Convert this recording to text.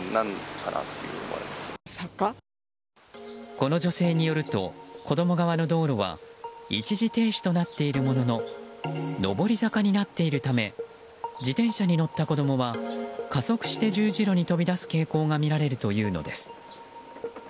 この女性によると子供側の道路は一時停止となっているものの上り坂になっているため自転車に乗った子供は加速して十字路に飛び出す傾向がみられるというのです。